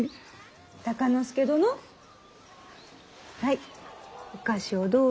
敬之助殿はいお菓子をどうぞ。